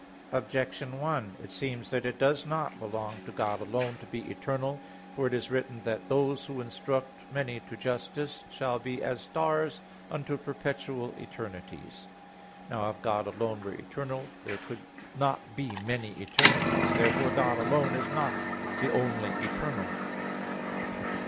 Objection 1: It seems that it does not belong to God alone to be eternal. For it is written that "those who instruct many to justice," shall be "as stars unto perpetual eternities [*Douay: 'for all eternity']" (Dan. 12:3). Now if God alone were eternal, there could not be many eternities. Therefore God alone is not the only eternal.